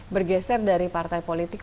bergeser dari partai politik